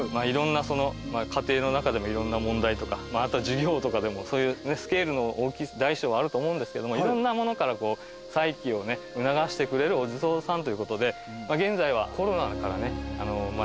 家庭の中でのいろんな問題とかあとは授業とかでもそういうスケールの大小あると思うんですけどもいろんなものから再起をね促してくれるお地蔵さんということで現在は。